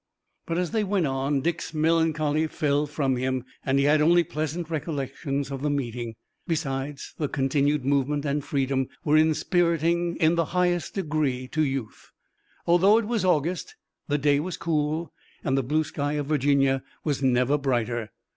But as they went on, Dick's melancholy fell from him, and he had only pleasant recollections of the meeting. Besides, the continued movement and freedom were inspiriting in the highest degree to youth. Although it was August the day was cool, and the blue sky of Virginia was never brighter.